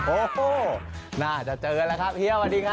โอ้โหน่าจะเจอแล้วครับเฮียสวัสดีครับ